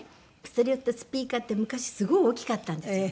ステレオってスピーカーって昔すごい大きかったんですよ。